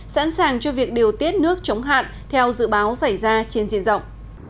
sẵn sàng cho việc điều tiết nước chống hạn theo dự báo xảy ra trên diện rộng